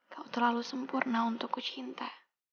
kau terlalu sempurna untuk ku cinta